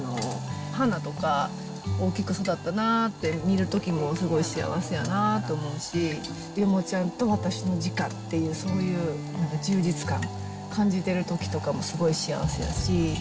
花とか大きく育ったなって見るときもすごい幸せやなと思うし、ヨモちゃんと私の時間っていう、そういう、なんか充実感、感じてるときとかもすごい幸せやし。